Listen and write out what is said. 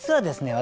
私